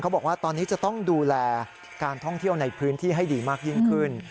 บอกว่าตอนนี้จะต้องดูแลการท่องเที่ยวในพื้นที่ให้ดีมากยิ่งขึ้น